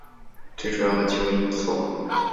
最主要的集会所